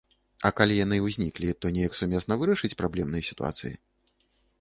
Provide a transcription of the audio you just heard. А калі яны ўзніклі, то неяк сумесна вырашыць праблемныя сітуацыі?